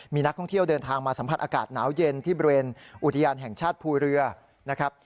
มีนักท่องเที่ยวเดินทางมาสัมผัสอากาศหนาวเย็นที่บริเวณอุทยานแห่งชาติภูเรือนะครับ